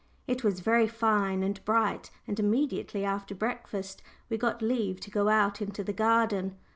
It was very fine and bright, and immediately after breakfast we got leave to go out into the garden.